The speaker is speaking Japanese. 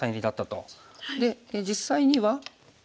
で実際には。